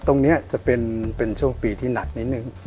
ตรงนี้จะเป็นโชคดีที่หนักนิดนึง